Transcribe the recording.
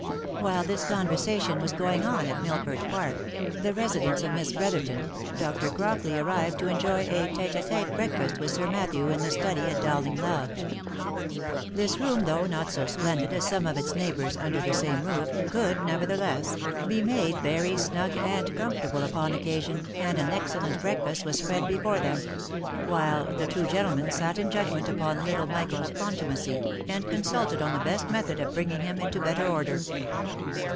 While this conversation was going on at Millford Park, the residence of Miss Brotherton, Dr. Crockley arrived to enjoy a tete a tete break fast with Sir Matthew in ;' the study " at Dowling Lodge. This room, though not so splendid as some of its neighbours under the same roof, could, nevertheless, be made very snug and comfortable upon occa sion, and an excellent breakfast was spread before them ; while the two gentlemen sat in judgment upon little Michael's contumacy, and consulted on the best method of bringing him into better order.